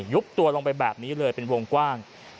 ยุบตัวลงไปแบบนี้เลยเป็นวงกว้าง